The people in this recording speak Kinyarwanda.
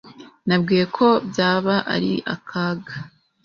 Nabwiye ko byaba ari akaga.